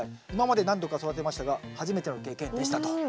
「今まで何度か育てましたが初めての経験でした」と。